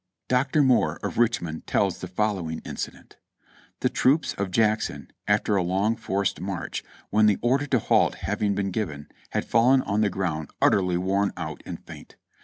Dr. Moore, of Richmond, tells the following incident : "The troops of Jackson, after a long forced march, when the order to halt having been given, had fallen on the ground utterly worn out and faint.